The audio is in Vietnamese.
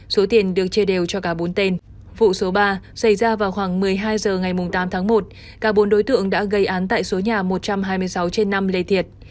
số tiền được chia đều cho cả bốn tên vụ số ba xảy ra vào khoảng một mươi hai h ngày tám tháng một cả bốn đối tượng đã gây án tại số nhà một trăm hai mươi sáu trên năm lê thiệt